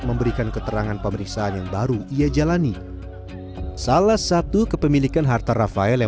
memberikan keterangan pemeriksaan yang baru ia jalani salah satu kepemilikan harta rafael yang